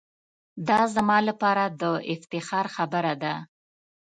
دا زما لپاره دافتخار خبره ده.